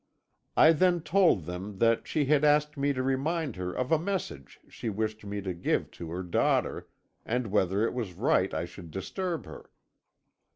I then told them that she had asked me to remind her of a message she wished me to give to her daughter, and whether it was right I should disturb her.